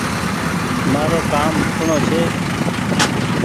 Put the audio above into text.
مآرو ڪآم ليکڻو ڇي